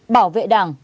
bảo vệ đảng